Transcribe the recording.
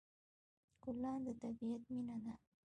ګلان د طبیعت مینه ده.